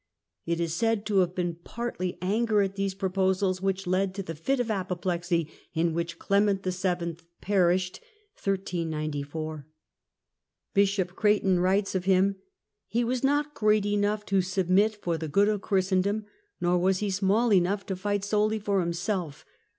It is said to have been partly anger at these proposals which led to the fit of apoplexy in which Clement VII. perished. Bishop Death of Creighton writes of him: "He was not great enough yj7|^''|394 to submit for the good of Christendom, nor was he small enough to fight solely for himself.